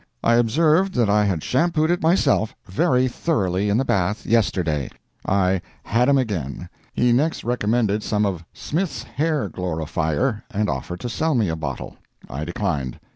I observed that I had shampooed it myself very thoroughly in the bath yesterday. I "had him" again. He next recommended some of "Smith's Hair Glorifier," and offered to sell me a bottle. I declined.